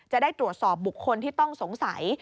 จะได้ตรวจสอบบุคคลที่ต้องสงสัย